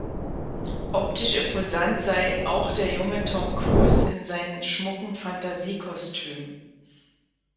Optisch imposant sei „auch der junge Tom Cruise in seinen schmucken Fantasie-Kostümen“.